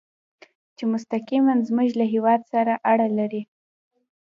چې مستقیماً زموږ له هېواد سره اړه لري.